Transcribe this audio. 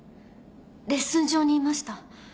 レッスン場にいました。